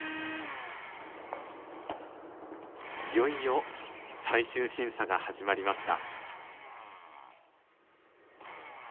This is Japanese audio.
いよいよ最終審査が始まりました。